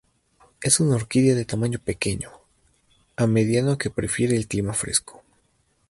Es una orquídea de tamaño pequeño a mediano que prefiere el clima fresco.